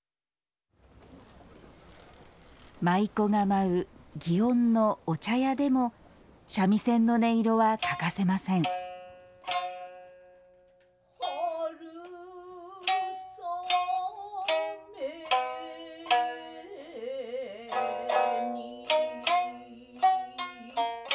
舞妓が舞う園のお茶屋でも三味線の音色は欠かせません「春雨に」